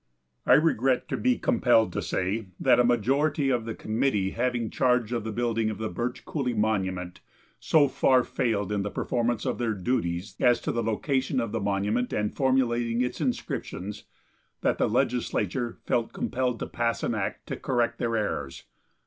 I regret to be compelled to say that a majority of the committee having charge of the building of the Birch Coulie monument so far failed in the performance of their duties as to the location of the monument and formulating its inscriptions that the legislature felt compelled to pass an act to correct their errors.